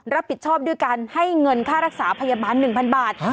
รับผิดชอบด้วยการให้เงินค่ารักษาพยาบาล๑๐๐บาท